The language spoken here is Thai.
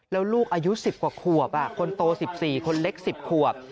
แล้วลูกอายุ๑๐กว่าขวบคนโต๑๔คนเล็ก๑๐ขวบ